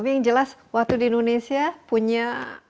tapi yang jelas waktu di indonesia punya